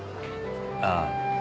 ああ。